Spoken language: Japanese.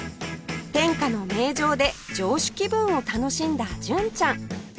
天下の名城で城主気分を楽しんだ純ちゃん